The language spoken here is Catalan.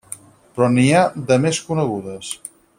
Però n’hi ha de més conegudes.